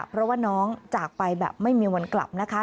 เพราะว่าน้องจากไปแบบไม่มีวันกลับนะคะ